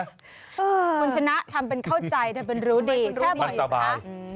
คุณชนะทำเป็นเข้าใจทำเป็นรู้ดี